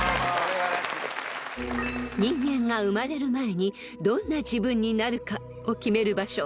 ［人間が生まれる前にどんな自分になるかを決める場所